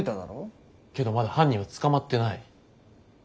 けどまだ犯人は捕まってない。